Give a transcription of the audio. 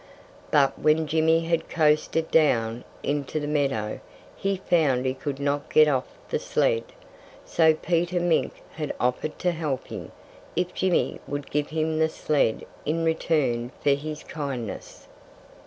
But when Jimmy had coasted down into the meadow he found he could not get off the sled. So Peter Mink had offered to help him, if Jimmy would give him the sled in return for his kindness.